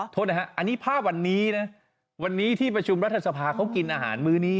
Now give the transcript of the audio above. โทษนะฮะอันนี้ภาพวันนี้นะวันนี้ที่ประชุมรัฐสภาเขากินอาหารมื้อนี้